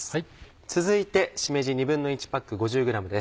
続いてしめじ１／２パック５０ｇです。